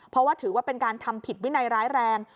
เพราะว่าถือว่าเป็นการทำผิดวินัยร้ายแรง